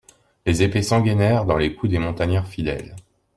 Les épées s'engainèrent dans les cous des montagnards fidèles.